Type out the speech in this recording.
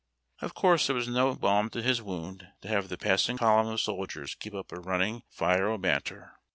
Of course, it was no balm to his wound to have the passing column of soldiers keep up a running fire'of banter.